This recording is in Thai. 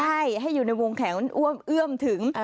ใช่ให้อยู่ในวงแขนเอื้อมถึง